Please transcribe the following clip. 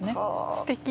すてき。